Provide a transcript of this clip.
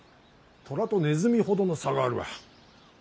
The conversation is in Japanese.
虎とネズミほどの差があるわ。